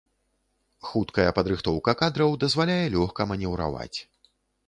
Хуткая падрыхтоўка кадраў дазваляе лёгка манеўраваць.